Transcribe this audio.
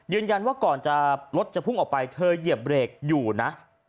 ว่าก่อนจะรถจะพุ่งออกไปเธอเหยียบเบรกอยู่นะ